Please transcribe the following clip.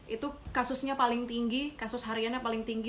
itu kasusnya paling tinggi kasus hariannya paling tinggi